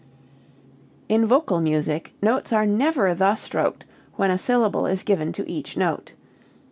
4.] In vocal music notes are never thus stroked when a syllable is given to each note.